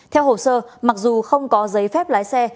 theo hồ sơ mặc dù không có giấy phép lái xe